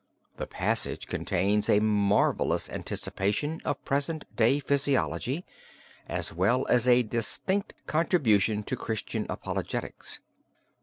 The passage contains a marvelous anticipation of present day physiology as well as a distinct contribution to Christian apologetics.